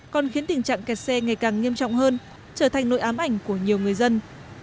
còn khiến tình trạng kẹt xe ngày càng nghiêm trọng hơn trở thành nội ám ảnh của nhiều người dân